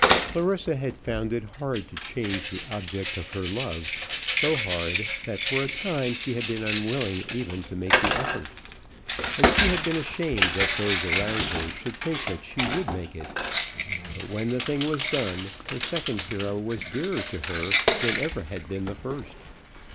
Clarissa had found it hard to change the object of her love, so hard, that for a time she had been unwilling even to make the effort; and she had been ashamed that those around her should think that she would make it; but when the thing was done, her second hero was dearer to her than ever had been the first.